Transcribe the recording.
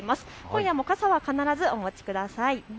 今夜も傘は必ずお持ちください。